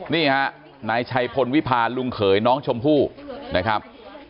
นี่ฮะนายชัยพลวิพาลลุงเขยน้องชมพู่นะครับ